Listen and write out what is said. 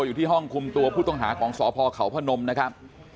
อยู่ที่ห้องคุมตัวผู้ต้องหาของสพเขาพนมนะครับ